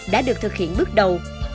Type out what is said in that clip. đã được thực hiện bước đầu